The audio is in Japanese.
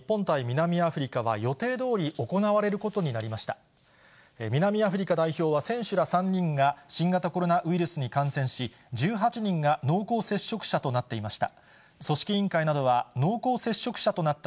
南アフリカ代表は選手ら３人が新型コロナウイルスに感染し、１８人が濃厚接触者となっていました。